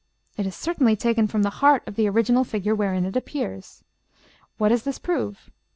It is clearly taken from the heart of the original figure wherein it appears. What does this prove?